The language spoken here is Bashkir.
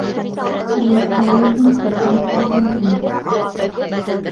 Үләкһә еҫен ҡоҙғон алдан тойор.